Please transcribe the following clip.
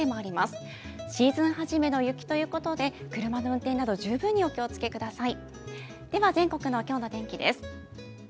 シーズン初めの雪ということで、車の運転など、十分にお気をつけください。